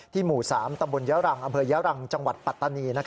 ที่หมู่๓ตำวนยาวรังอยาวรังจังหวัดปตต๑๙๖๕